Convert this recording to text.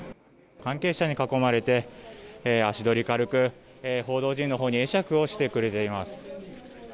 関係者に囲まれて足取り軽く報道陣のほうに会釈をしてくれています。